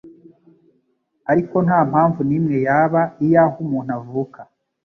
ariko nta mpamvu n’imwe yaba iy’aho umuntu avuka